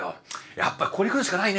やっぱりここに来るしかないね。